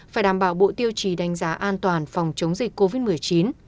phải đảm bảo bộ tiêu chí đánh giá an toàn phòng chống dịch covid một mươi chín